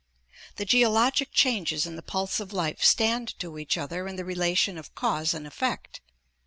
The geologic changes and the pulse of life stand to each other in the relation of cause and effect.